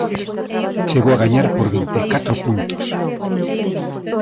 Chegou a gañar por vinte e catro puntos.